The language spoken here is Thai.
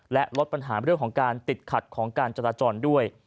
และลดปัญหาเรื่องของการติดขัดของการจราจรด้วย